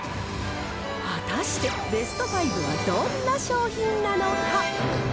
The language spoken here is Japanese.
果たしてベスト５はどんな商品なのか。